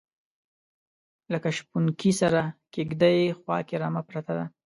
لکه شپونکي سره کیږدۍ خواکې رمه پرته ده